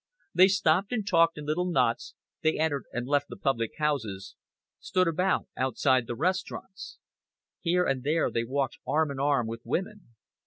They stopped and talked in little knots, they entered and left the public houses, stood about outside the restaurants. Here and there they walked arm in arm with women.